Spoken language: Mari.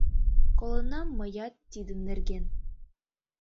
Колынам мыят тидын нерген.